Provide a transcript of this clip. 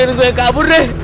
biar gue kabur deh